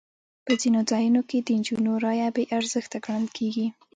په ځینو ځایونو کې د نجونو رایه بې ارزښته ګڼل کېږي.